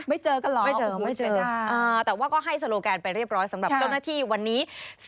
ไม่เจอกันเหรอไม่เจอแต่ว่าก็ให้สโลแกนไปเรียบร้อยสำหรับเจ้าหน้าที่วันนี้